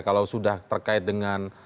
kalau sudah terkait dengan